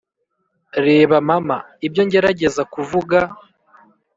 reba mama, ibyo ngerageza kuvuga.